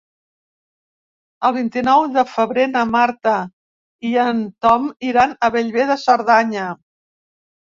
El vint-i-nou de febrer na Marta i en Tom iran a Bellver de Cerdanya.